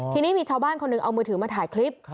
ทีนี้มีชาวบ้านคนหนึ่งเอามือถือมาถ่ายคลิป